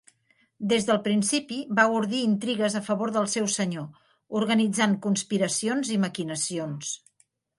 Des del principi, va ordir intrigues a favor del seu senyor, organitzant conspiracions i maquinacions.